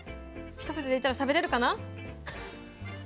一口でいったらしゃべれるかな？